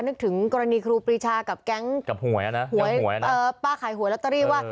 นึกถึงกรณีครูปรีชากับแก๊งกับหวยนะป้าขายหวยลอตเตอรี่ว่า